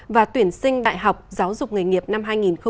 và tuyển sinh đại học giáo dục nghề nghiệp năm hai nghìn hai mươi